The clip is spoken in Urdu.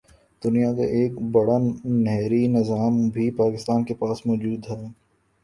دنیا کا ایک بڑا نہری نظام بھی پاکستان کے پاس موجود ہے